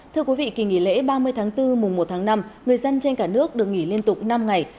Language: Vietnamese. thưa quý vị kỳ nghỉ lễ ba mươi tháng bốn mùng một tháng năm người dân trên cả nước được nghỉ liên tục năm ngày